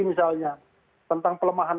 misalnya tentang pelemahan